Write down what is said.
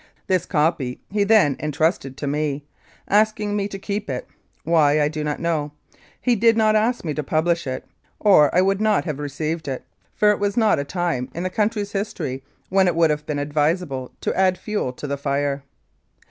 This copy he then entrusted to me, asking me to keep it. Why, I do not know. He did not ask me to publish it, or I would not have received it, for it was not a time in the country's history when it would have been advisable to add fuel to the fire.